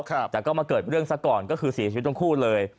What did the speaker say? แต่ก็มาเกิดเรื่องซะก่อนก็คือเสียชีวิตทั้งคู่เลย